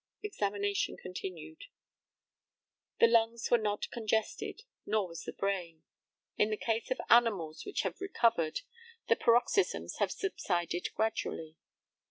Examination continued: The lungs were not congested, nor was the brain. In the case of animals which have recovered, the paroxysms have subsided gradually.